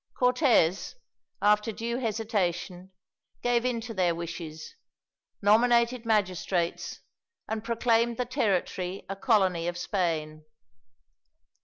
Cortez, after due hesitation, gave in to their wishes, nominated magistrates, and proclaimed the territory a colony of Spain.